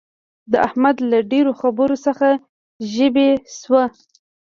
د احمد له ډېرو خبرو څخه ژبۍ شوه.